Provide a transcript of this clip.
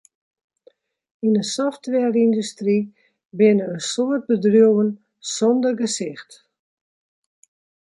Yn 'e softwareyndustry binne in soad bedriuwen sonder gesicht.